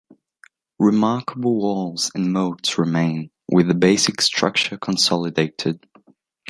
Remarkable walls and moats remain, with the basic structure consolidated.